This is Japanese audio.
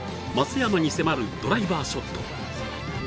松山に迫るドライバーショット。